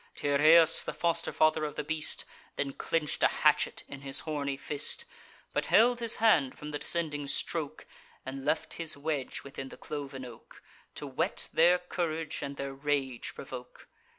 Tyrrheus, the foster father of the beast, Then clench'd a hatchet in his horny fist, But held his hand from the descending stroke, And left his wedge within the cloven oak, To whet their courage and their rage provoke.